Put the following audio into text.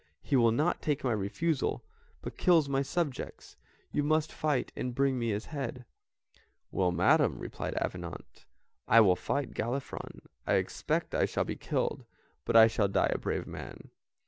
He will not take my refusal, but kills my subjects. You must fight and bring me his head." "Well, madam," replied Avenant, "I will fight Galifron; I expect I shall be killed, but I shall die a brave man."